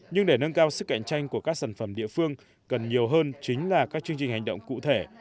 nhưng để nâng cao sức cạnh tranh của các sản phẩm địa phương cần nhiều hơn chính là các chương trình hành động cụ thể